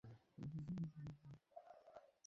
একটা সিদ্ধান্ত নাও।